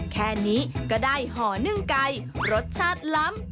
แค่นี้ก็ได้ห่อนึ่งไก่รสชาติล้ำ